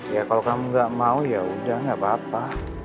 ya kalau kamu nggak mau ya udah gak apa apa